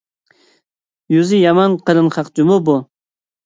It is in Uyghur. يۈزى يامان قېلىن خەق جۇمۇ بۇ!